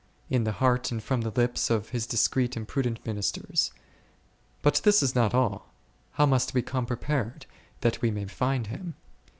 In the heart and from the lips of His discreet and prudent ministers. But this is not all ; How must we come prepared, that we may find Him